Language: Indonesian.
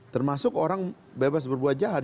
termasuk orang bebas berbuat jahat